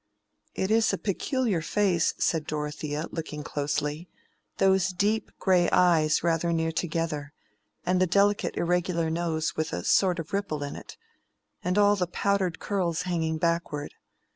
"It is a peculiar face," said Dorothea, looking closely. "Those deep gray eyes rather near together—and the delicate irregular nose with a sort of ripple in it—and all the powdered curls hanging backward.